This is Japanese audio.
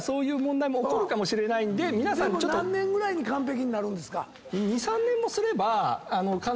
でも何年ぐらいに完璧になるんですか？